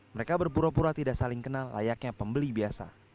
mereka berpura pura tidak saling kenal layaknya pembeli biasa